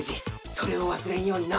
それをわすれんようにな。